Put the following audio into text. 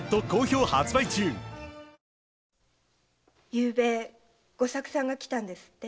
昨夜吾作さんが来たんですって？